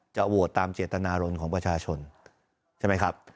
โหวตตามเจตนารมณ์ของประชาชนใช่ไหมครับ